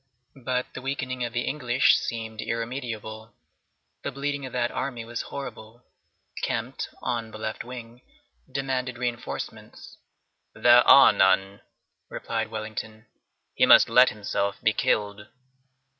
But the weakening of the English seemed irremediable. The bleeding of that army was horrible. Kempt, on the left wing, demanded reinforcements. "There are none," replied Wellington; "he must let himself be killed!"